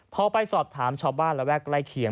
พอไปสอบถามชาวบ้านระแวกใกล้เคียง